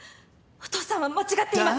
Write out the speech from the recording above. お父さんは間違っていま。